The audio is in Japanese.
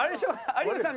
有吉さん